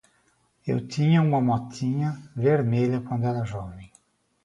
Eu tinha uma motinha vermelha quando era jovem.